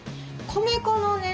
米粉のね